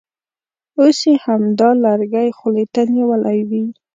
اوس یې همدا لرګی خولې ته نیولی وي.